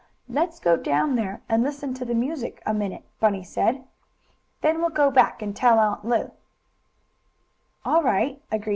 "Let's go down there and listen to the music a minute," Bunny said. "Then we'll go back and tell Aunt Lu."